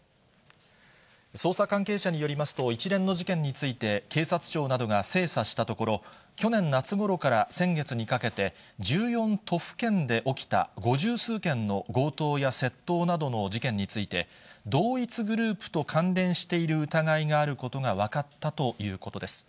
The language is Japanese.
捜査関係者によりますと、一連の事件について、警察庁などが精査したところ、去年夏ごろから先月にかけて、１４都府県で起きた五十数件の強盗や窃盗などの事件について、同一グループと関連している疑いがあることが分かったということです。